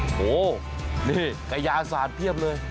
โอ้โฮนี่กระยะสาดเพียบเลย